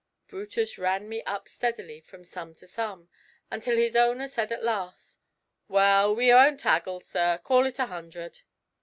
Brutus ran me up steadily from sum to sum, until his owner said at last: 'Well, we won't 'aggle, sir, call it a hundred.'